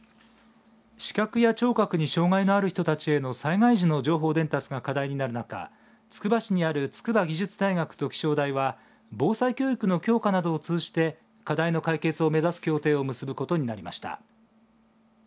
視覚や聴覚に障害のある人たちへの災害時の情報伝達が課題になる中つくば市にある筑波技術大学と気象台は防災教育の強化などを通じて課題の解決を目指す協定を結ぶことになりました。